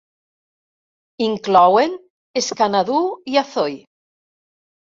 Inclouen Scanadu i Azoi.